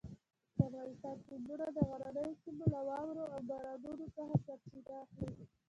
د افغانستان سیندونه د غرنیو سیمو له واورو او بارانونو څخه سرچینه اخلي.